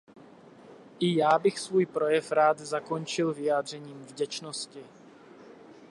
I já bych svůj projev rád zakončil vyjádřením vděčnosti.